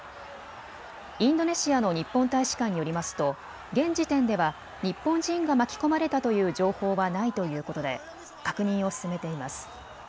インドネシアの日本大使館によりますと、現時点では日本人が巻き込まれたという情報はないということで確認を進めています。